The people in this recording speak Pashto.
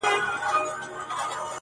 • دوست اشارې ته ګوري او دښمن وارې ته -